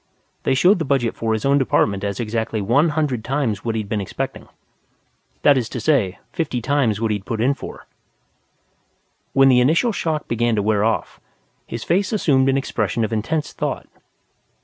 They showed the budget for his own department as exactly one hundred times what he'd been expecting. That is to say, fifty times what he'd put in for. When the initial shock began to wear off, his face assumed an expression of intense thought.